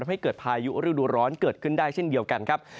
ให้เกิดพายุฤดูร้อนเกิดขึ้นได้เช่นเดียวกันครับ